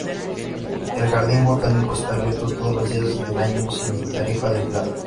El jardín botánico está abierto todos los días del año, sin tarifa de entrada.